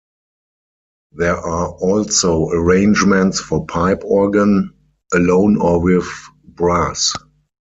There are also arrangements for pipe organ, alone or with brass.